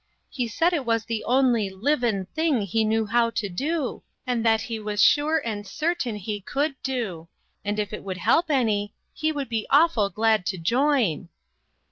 He said it was the only 'livin' thing he knew how to do,' and that he was sure and certain he could do, and if it would help any, he would be awful glad to join."